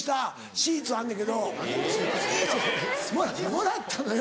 もらったのよ。